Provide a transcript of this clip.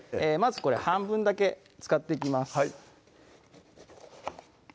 まずこれ半分だけ使っていきます